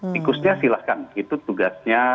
tikusnya silahkan itu tugasnya